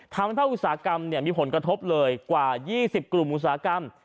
ทำให้ภาคอุตสาหกรรมมีผลกระทบเลยกว่า๒๐กลุ่มอุตสาหกรรม